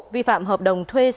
vi phạm hợp đồng thuê xe hộp